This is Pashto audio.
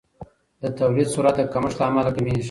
د تولید سرعت د کمښت له امله کمیږي.